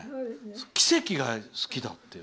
「奇跡」が好きだって。